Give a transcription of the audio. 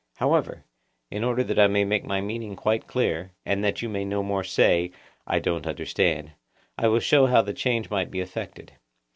However, in order that I may make my meaning quite clear, and that you may no more say, 'I don't understand,' I will show how the change might be effected.